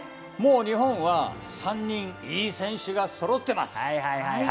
日本は３人いい選手がそろってます。